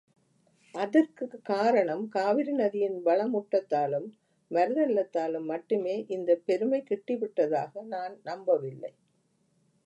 அதற்குக் காரணம் காவிரி நதியின் வளமூட்டத்தாலும், மருத நிலத்தாலும் மட்டுமே இந்தப் பெருமை கிட்டிவிட்டதாக நான் நம்பவில்லை.